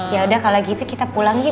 yaudah kalau gitu kita pulang ya